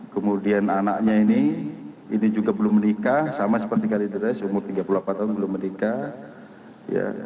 kemudian anaknya ini ini juga belum menikah sama seperti kalidres umur tiga puluh empat tahun belum menikah